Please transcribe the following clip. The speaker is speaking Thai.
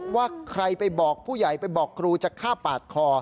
ว่าใครไปบอกผู้ใหญ่ไปบอกครูจะฆ่าปาดคอ